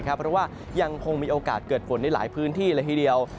เพราะว่ายังคงมีโอกาสเกิดฝนในหลายพื้นที่เลยทีเดียว